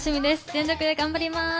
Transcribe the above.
全力で頑張ります！